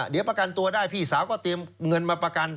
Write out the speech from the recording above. เดี๋ยวประกันตัวได้พี่สาวก็เตรียมเงินมาประกัน